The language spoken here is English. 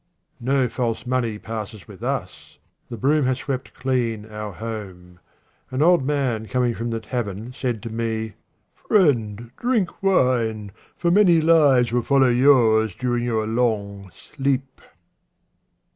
No false money passes with us. The broom has swept clean our home. An old man coming from the tavern said to me, " Friend, drink wine, for many lives will follow yours during your long sleep."